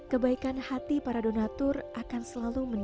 kebaikan hati para donatur akan selalu meningkat